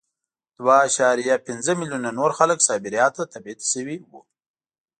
دوه اعشاریه پنځه میلیونه نور خلک سایبریا ته تبعید شوي وو